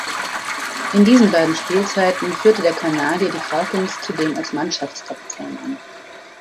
In diesen beiden Spielzeiten führte der Kanadier die Falcons zudem als Mannschaftskapitän an.